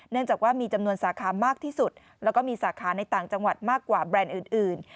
จากว่ามีจำนวนสาขามากที่สุดแล้วก็มีสาขาในต่างจังหวัดมากกว่าแบรนด์อื่น